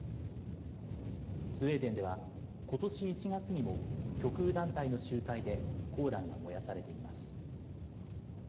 スウェーデンではことし１月にも極右団体の集会でコーランが燃やされています。